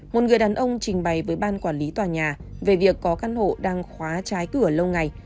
một người đàn ông trình bày với ban quản lý tòa nhà về việc có căn hộ đang khóa trái cửa lâu ngày